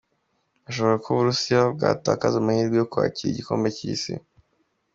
Birashoboka ko u Burusiya bwatakaza amahirwe yo kwakira igikombe cy’Isi?.